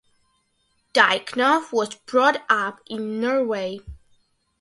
Diakonoff was brought up in Norway.